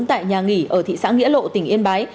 tại nhà nghỉ ở thị xã nghĩa lộ tỉnh yên bái